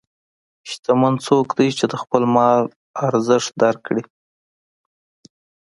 شتمن څوک دی چې د خپل مال ارزښت درک کړي.